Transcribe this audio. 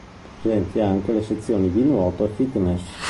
Presenti anche le sezioni di nuoto e fitness.